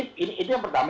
tapi ini yang pertama